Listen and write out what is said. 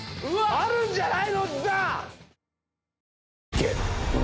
あるんじゃない？